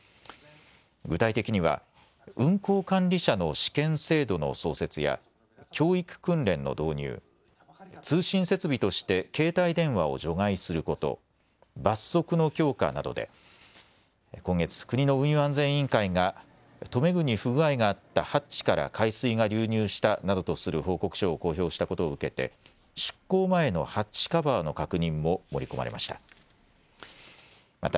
具体的には運航管理者の試験制度の創設や教育訓練の導入、通信設備として携帯電話を除外すること、罰則の強化などで今月、国の運輸安全委員会が留め具に不具合があったハッチから海水が流入したなどとする報告書を公表したことを受けて出航前のハッチカバーの確認も盛り込まれました。